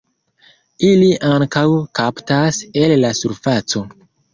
Ili ankaŭ kaptas el la surfaco.